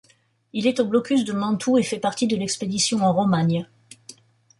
Il est au blocus de Mantoue et fait partie de l’expédition en Romagne.